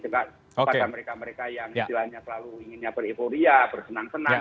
juga pada mereka mereka yang istilahnya selalu inginnya bereporia bersenang senang